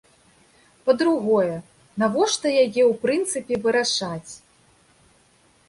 Па-другое, навошта яе ў прынцыпе вырашаць?